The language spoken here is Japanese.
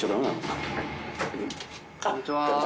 ・こんにちは。